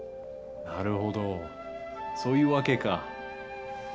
なるほどそういうわけか。